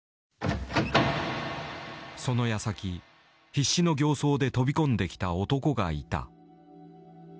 そのやさき必死の形相で飛び込んできた男がいた。